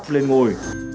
sẽ đập lên ngôi